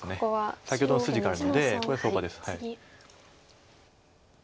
先ほどの筋があるのでこれ相場です。